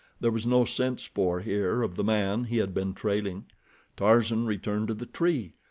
There was no scent spoor here of the man he had been trailing. Tarzan returned to the tree.